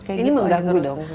ini mengganggu dong sekolah